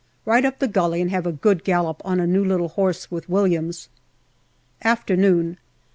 Ride up the gully and have a good gallop on a new little horse with Williams. Afternoon.